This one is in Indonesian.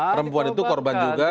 perempuan itu korban juga